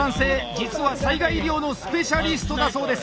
実は災害医療のスペシャリストだそうです。